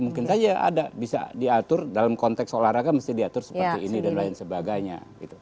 mungkin saja ada bisa diatur dalam konteks olahraga mesti diatur seperti ini dan lain sebagainya